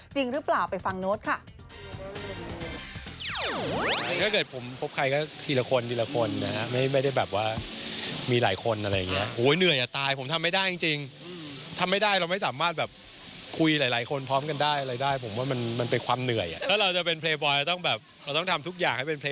จริงหรือเปล่าไปฟังโน้ตค่ะ